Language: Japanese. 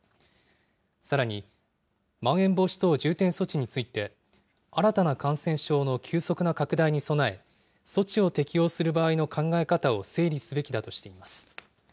さらにまん延防止等重点措置について、新たな感染症の急速な拡大に備え、措置を適用する場合の考え方を整理すべきだとしています。